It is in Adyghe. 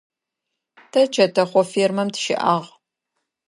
Тэ чэтэхъо фермэм тыщыӏагъ.